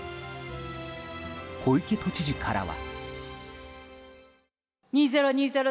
小池都知事からは。